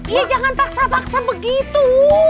iya jangan paksa paksa begitu